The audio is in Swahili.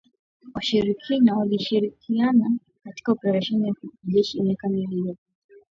Walishirikiana katika oparesheni ya kijeshi miaka miwili iliyopita